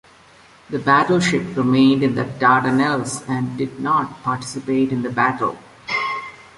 The battleship remained in the Dardanelles and did not participate in the battle.